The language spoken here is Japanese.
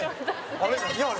あれ。